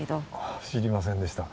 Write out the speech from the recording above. あ知りませんでした